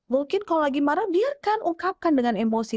mungkin kalau lagi marah biarkan ungkapkan dengan emosi